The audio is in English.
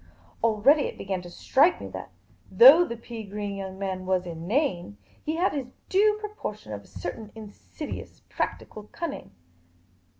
Already it began to strike me that, though the pea green young man was inane, he had his due proportion of a certain in.sidious practical cunning.